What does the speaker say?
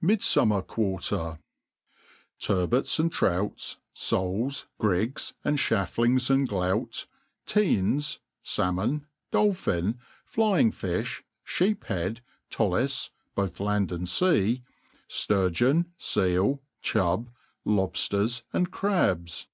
Midfummer ^artif, TURBOTS and trouts, foals, grigs, and (hafflings and glout, tenes, Ta]mon, dolphin, flying*fifli, iheep head, tollis, both land and'fea, fturgeon, feale, chubb, lobfters, and crabt.